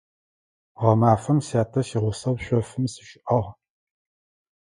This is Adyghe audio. Гъэмафэм сятэ сигъусэу шъофым сыщыӀагъ.